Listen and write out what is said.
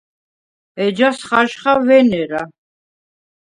ეჯას ხაჟხა ვენერა.